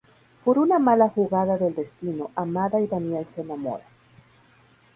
Por una mala jugada del destino, Amada y Daniel se enamoran.